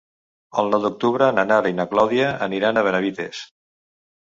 El nou d'octubre na Nara i na Clàudia aniran a Benavites.